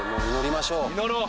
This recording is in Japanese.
祈ろう。